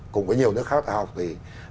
cùng với nhiều nước khác học thì